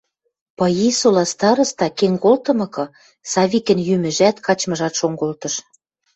Пыйисола староста кен колтымыкы, Савикӹн йӱмӹжӓт, качмыжат шон колтыш.